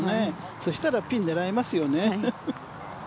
そしたらピン狙いますよね。